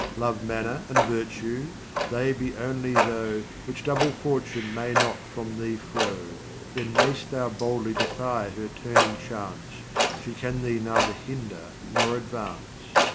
Love manner and virtue, they be only tho' Which double Fortune may not take thee fro. Then mayst thou boldly defy her turning chance, She can thee neither hinder nor advance.